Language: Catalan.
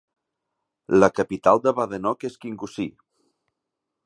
La capital de Badenoch és Kingussie.